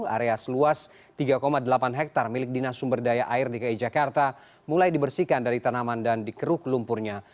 area seluas tiga delapan hektare milik dinas sumber daya air dki jakarta mulai dibersihkan dari tanaman dan dikeruk lumpurnya